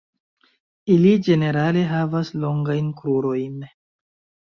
Ili ĝenerale havas longajn krurojn.